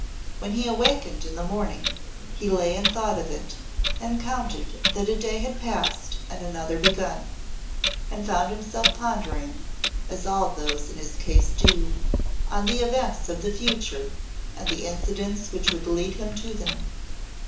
When he awakened in the morning he lay and thought of it and counted that a day had passed and another begun, and found himself pondering, as all those in his case do, on the events of the future and the incidents which would lead him to them.